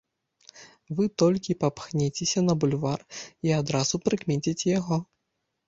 Вы толькі папхніцеся на бульвар і адразу прыкмеціце яго.